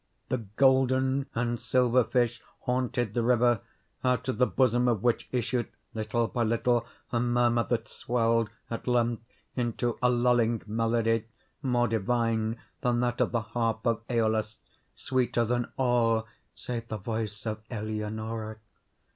The golden and silver fish haunted the river, out of the bosom of which issued, little by little, a murmur that swelled, at length, into a lulling melody more divine than that of the harp of Æolus—sweeter than all save the voice of Eleonora.